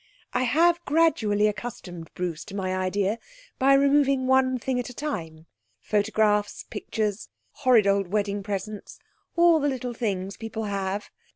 I have gradually accustomed Bruce to my idea by removing one thing at a time photographs, pictures, horrid old wedding presents, all the little things people have.